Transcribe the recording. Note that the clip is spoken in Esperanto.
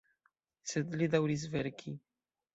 Sed li daŭris verki.